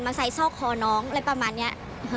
ใส่ซอกคอน้องอะไรประมาณนี้